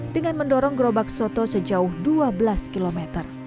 dengan mendorong gerobak soto sejauh dua belas km